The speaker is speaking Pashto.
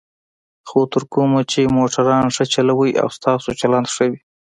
خو تر کومه چې موټران ښه چلوئ او ستاسو چلند ښه وي.